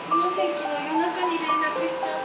昨日夜中に連絡しちゃって。